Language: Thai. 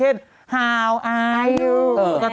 กรมป้องกันแล้วก็บรรเทาสาธารณภัยนะคะ